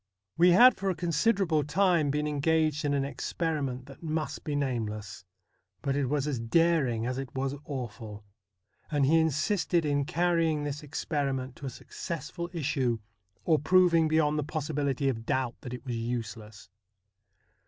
We had for a considerable time been engaged in an ex periment that must be nameless ; but it was as daring as it was awful, and he insisted in carrying this experiment to a successful issue, or proving beyond the possibility of doubt that it was useless.